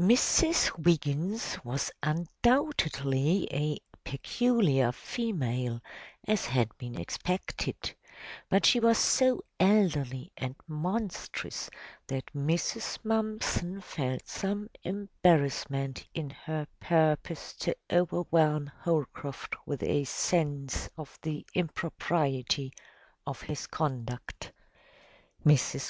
Mrs. Wiggins was undoubtedly a "peculiar female," as had been expected, but she was so elderly and monstrous that Mrs. Mumpson felt some embarrassment in her purpose to overwhelm Holcroft with a sense of the impropriety of his conduct. Mrs.